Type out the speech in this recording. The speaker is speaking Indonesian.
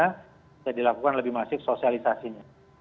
bisa dilakukan lebih masif sosialisasinya